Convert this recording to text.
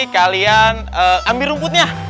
kalian ambil rumputnya